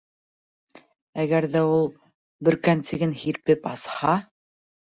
Әгәр ҙә ул бөркәнсеген һирпеп асһа